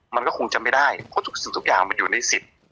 มันก็คงจะไม่ได้เพราะทุกสิ่งทุกอย่างมันอยู่ในสิทธิ์